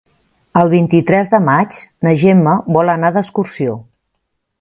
El vint-i-tres de maig na Gemma vol anar d'excursió.